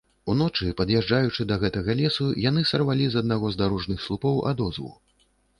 Уночы, пад'язджаючы да гэтага лесу, яны сарвалі з аднаго з дарожных слупоў адозву.